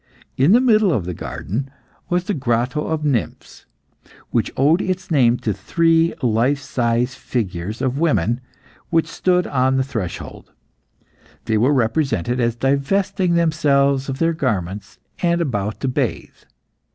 In the middle of the garden was the Grotto of Nymphs, which owed its name to three life size figures of women, which stood on the threshold. They were represented as divesting themselves of their garments, and about to bathe.